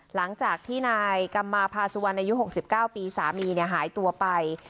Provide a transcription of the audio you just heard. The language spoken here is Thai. หลังจากที่นายกำมาพาสุวรรณอายุหกสิบเก้าปีสามีเนี่ยหายตัวไป